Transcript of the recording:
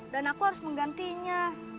dan aku harus menggantinya